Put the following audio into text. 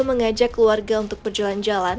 mengajak keluarga untuk berjalan jalan